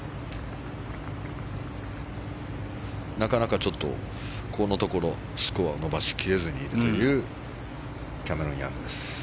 なかなかちょっとこのところスコアを伸ばしきれずにいるキャメロン・ヤングです。